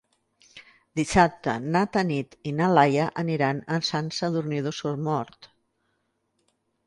Dissabte na Tanit i na Laia aniran a Sant Sadurní d'Osormort.